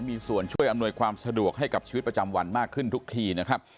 มีส่วนช่วยอำนวยความสะดวกให้กับชีวิตประจำวันมากขึ้นทุกทีนะครับ